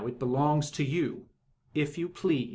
It belongs to you. ... If you please !